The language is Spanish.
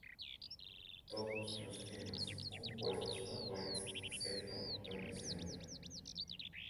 Todos los temas compuestos por Waits excepto donde se anota.